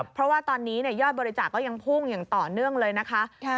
เพราะว่าตอนนี้ยอดบริจาคก็ยังพุ่งอย่างต่อเนื่องเลยนะคะ